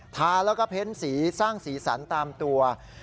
ทาแล้วก็เพ้นสีสร้างสีสันตามตัว